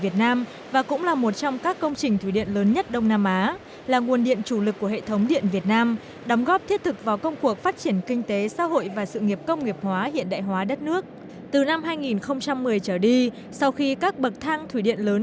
thủy điện hòa bình